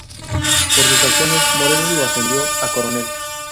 Por sus acciones, Morelos lo ascendió a coronel.